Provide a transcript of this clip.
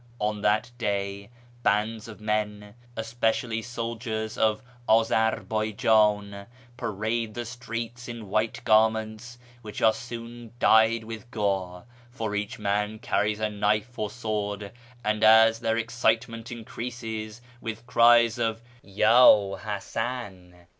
On that day bands of men (especially soldiers of Azarbaijan) parade the streets in white garments, which are soon dyed with gore ; for each man carries a knife or sword, and, as their excite ment increases with cries of " Yd Hasan